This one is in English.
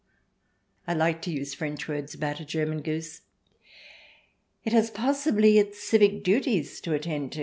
(I like to use French words about a German goose.) It has possibly its civic duties to attend to.